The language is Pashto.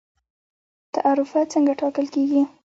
تعرفه څنګه ټاکل کیږي؟